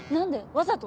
わざと？